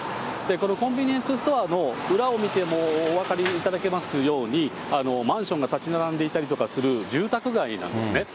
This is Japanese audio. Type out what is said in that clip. このコンビニエンスストアの裏を見てもお分かりいただけますように、マンションが建ち並んでいたりする住宅街なんですね。